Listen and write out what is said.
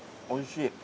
おいしい！